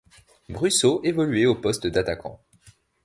Brusseaux évoluait au poste d'attaquant.